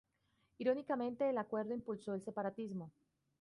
Irónicamente, el acuerdo impulsó el separatismo.